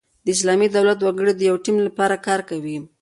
د اسلامي دولت وګړي د یوه ټیم له پاره کار کوي.